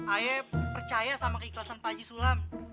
ayah percaya sama keikhlasan pak haji sulam